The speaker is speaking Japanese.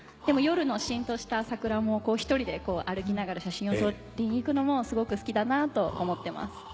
でも夜のしんとした桜も１人で歩きながら写真を撮りに行くのもすごく好きだなと思ってます。